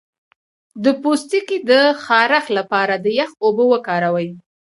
د پوستکي د خارښ لپاره د یخ اوبه وکاروئ